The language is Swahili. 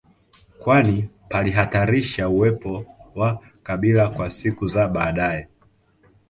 kwani palihatarisha uwepo wa kabila kwa siku za baadae